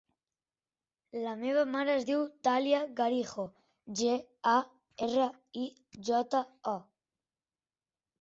La meva mare es diu Thàlia Garijo: ge, a, erra, i, jota, o.